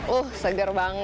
uh segar banget